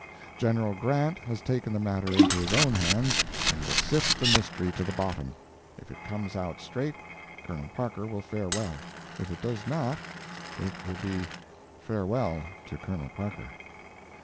General Grant has taken the matter into his own hands and will sift the mystery to the bottom. If it comes out straight, Colonel Parker will fare well; if it does not, it will be farewell to Colonel Parker.